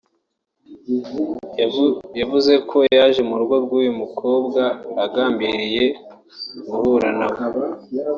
yavuze ko yaje mu rugo rw’uyu mukobwa agambiriye guhura nawe